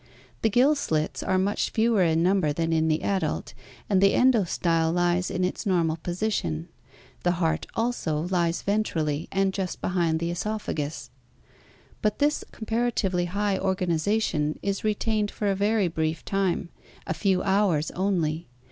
The gill slits are much fewer in number than in the adult and the endo style lies in its normal position. The heart also lies ventrally and just behind the cesopha gus. But this comparatively high organization is re tained for a very brief time, a few hours only.